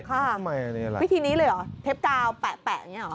วิธีนี้เลยเหรอเทปกาวแปะอย่างนี้หรอ